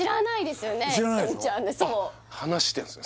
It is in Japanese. そう話してるんですね